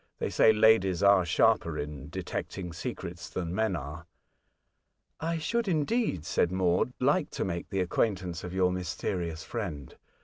They say ladies are sharper in detecting secrets than men are." '' I should, indeed," said Maud, *' like to make the acquaintance of your mysterious friend.